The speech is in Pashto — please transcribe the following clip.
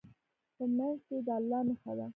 په منځ کې یې د الله نښه ده.